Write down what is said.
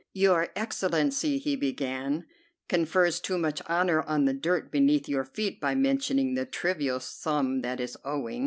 "Your Excellency," he began, "confers too much honor on the dirt beneath your feet by mentioning the trivial sum that is owing.